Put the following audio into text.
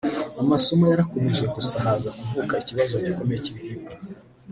Amasomo yarakomeje gusa haza kuvuka ikibazo gikomeye cy’ibiribwa